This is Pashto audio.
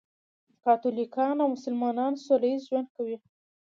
کاتولیکان او مسلمانان سولهییز ژوند کوي.